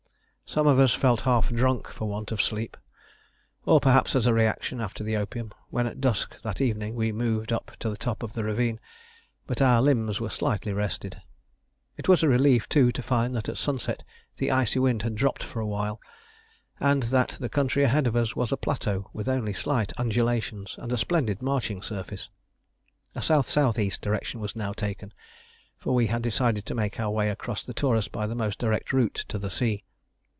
Some of us felt half drunk for want of sleep, or perhaps as a reaction after the opium, when at dusk that evening we moved up to the top of the ravine; but our limbs were slightly rested. It was a relief too to find that at sunset the icy wind had dropped for a while, and that the country ahead of us was a plateau with only slight undulations and a splendid marching surface. A S.S.E. direction was now taken, for we had decided to make our way across the Taurus by the most direct route to the sea.